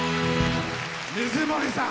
水森さん。